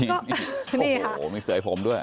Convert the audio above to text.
โอ้โหมีเสยผมด้วย